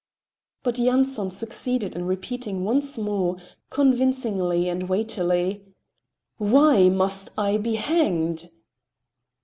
But Yanson succeeded in repeating once more, convincingly and weightily: "Why must I be hanged?"